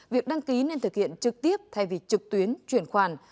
việc đăng ký nên thực hiện trực tiếp thay vì trực tuyến chuyển khoản